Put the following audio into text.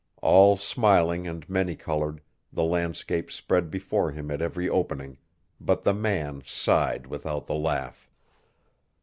All smiling and many colored the landscape spread before him at every opening, but the man sighed without the laugh.